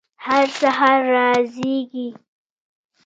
هر سهار را زیږي